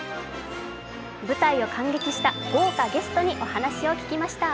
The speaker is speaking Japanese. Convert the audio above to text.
舞台を観劇した豪華ゲストにお話を聞きました。